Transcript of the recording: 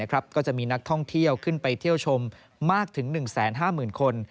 ก็จะมีนักท่องเที่ยวขึ้นไปเที่ยวชมมากถึง๑๕๐๐๐คน